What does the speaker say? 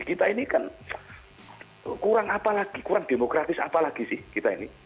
kita ini kan kurang apa lagi kurang demokratis apalagi sih kita ini